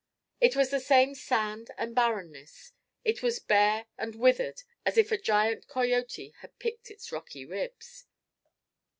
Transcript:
It was the same sand and barrenness. It was bare and withered as if a giant coyote had picked its rocky ribs.